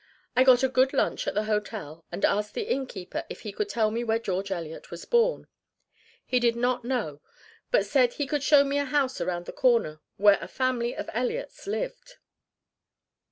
I got a good lunch at the hotel, and asked the innkeeper if he could tell me where George Eliot was born. He did not know, but said he could show me a house around the corner where a family of Eliots lived.